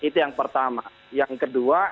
itu yang pertama yang kedua